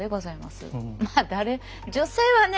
まあ誰女性はね